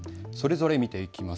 それぞれ見ていきます。